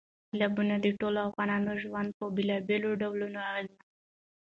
سیلابونه د ټولو افغانانو ژوند په بېلابېلو ډولونو اغېزمنوي.